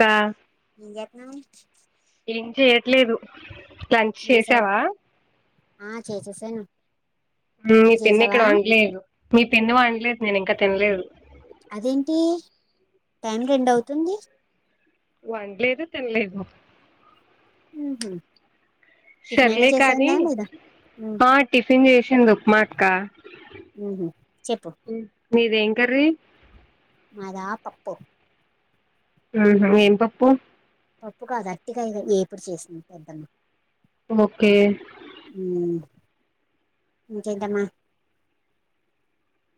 కా ఏం చేస్తునావ్ ఏం చేయట్లేదు. లంచ్ తినేసావా చేసావా? ఆ చేసేసను మీ పిన్ని ఇక్కడ వండ్లేదు. మీ పిన్ని వండ్లేదు, నేను ఇంకా తిన్లేదు. అదేంటి టైం రెండ్ అవుతుంది. వండ్లేదు, తిన్లేదు. ఉహ్ హు సర్లే కానీ, మ్మ్. ఆ టిఫిన్ చేసింది ఉప్మాక్క ఉమ్ హు చెప్పు మీదేం కర్రీ? మాదా పప్పు ఉహ్మ్ హు ఏం పప్పు పప్పు కాదు. అర్ట్టిగాయ్ ఎగ్ ఏప్పుడు చేసింది. పెద్దమ్మ ఓకే మ్మ్. ఇంకేంటమ్మా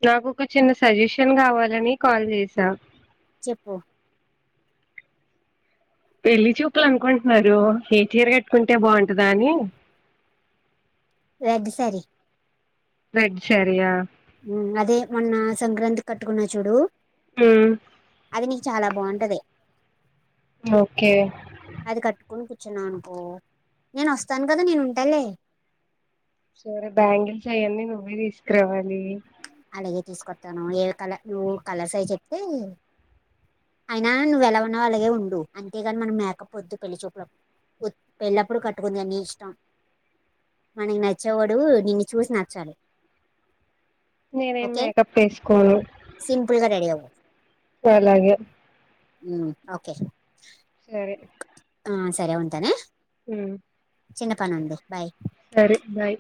నాకు ఒక చిన్న సజెషన్ కావాలని కాల్ చేసా. చెప్పు పెళ్లి చూపులు అనుకుంట్న్నారు, ఏ చీర్ గాట్కుంటే బావుంటదా. అని అ రెడ్ సారి రెడ్ సరియా అదే మొన్న సంక్రాంతి కట్టుకున్నవ్ చూడు ఉమ్ అది నీకు చాలా బావుంటది. ఓకే కుని కూర్చున్నావనుకో, నేను వస్తాను గాదా. నేను ఉంటాలే. సరే బ్యాంగిల్స్ అయ్యాన్నీ నువ్వే తీసుకురావాలి. లాగే తీసుకొతాను, ఏ కల నువ్వు కలర్, సైజ్ చెప్తే. అయినా నువ్వు ఎలా ఉన్నవో అలాగే ఉండు. అంతేగాని మనం మేకప్ ఓద్దు. పెళ్లి చూపులప్ ఓద్ పెల్లప్పుడుూ కట్టుకుందువ్గాన్ నీ ఇష్టం. మనకి నచ్చేవాడు, నిన్ను చూసి నచ్చాలి. నేనేం ఓకే మేకప్ వేసుకోను సింపుల్గా రెడీ అవ్వు అలాగే ఉహ్మ్ ఓకే సరే సరే ఉంటనే. ఉమ్ చిన్నపనుంది బాయ్ సరే బాయ్